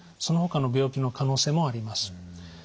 そのほかの病気の可能性もあります。